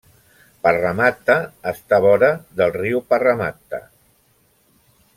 Parramatta està vora del Riu Parramatta.